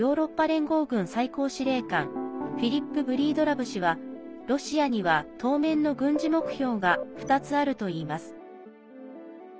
連合軍最高司令官フィリップ・ブリードラブ氏はロシアには当面の軍事目標が２つあるといいます。